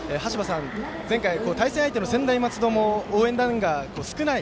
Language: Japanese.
前回、対戦相手の専大松戸も応援団が少ない。